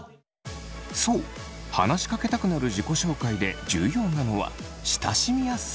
そう話しかけたくなる自己紹介で重要なのは親しみやすさ。